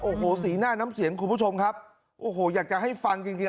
โอ้โหสีหน้าน้ำเสียงคุณผู้ชมครับโอ้โหอยากจะให้ฟังจริงจริง